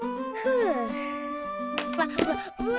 うわ！